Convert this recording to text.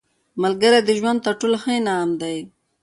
ملګری د ژوند تر ټولو ښه انعام دی